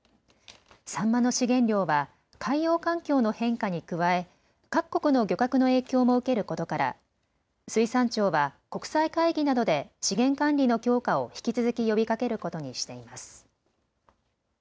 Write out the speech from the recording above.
サンマの資源量は海洋環境の変化に加え、各国の漁獲の影響も受けることから水産庁は国際会議などで資源管理の強化を引き続き呼びかけることにしています。